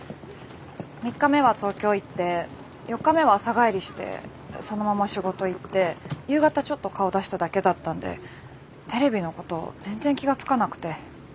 ３日目は東京行って４日目は朝帰りしてそのまま仕事行って夕方ちょっと顔出しただけだったんでテレビのこと全然気が付かなくて。